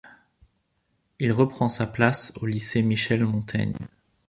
Il reprend sa place au lycée Michel-Montaigne.